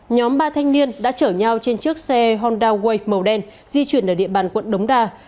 nhóm ba thanh niên đã chở nhau trên chiếc xe honda way màu đen di chuyển ở địa bàn quận đống đa